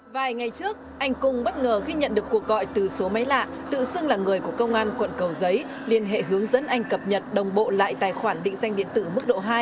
vài ngày trước anh cung bất ngờ khi nhận được cuộc gọi từ số máy lạ tự xưng là người của công an quận cầu giấy liên hệ hướng dẫn anh cập nhật đồng bộ lại tài khoản định danh điện tử mức độ hai